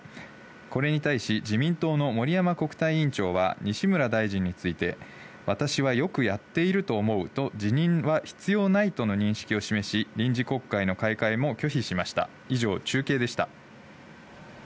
これに対し自民党の森山国対委員長は西村大臣について、私はよくやっていると思うと辞任は必要ないとの認識を示し、臨時国会の開会も拒否しました。